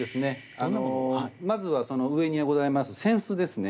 あのまずはその上にございます扇子ですね。